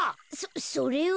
そそれは。